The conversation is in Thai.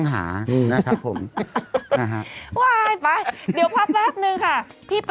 แถวกับที่หลุงฝังศพ